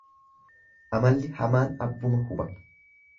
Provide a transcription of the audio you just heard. Amalli hamaan abbuma huba.